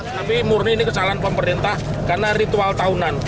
tapi murni ini kesalahan pemerintah karena ritual tahunan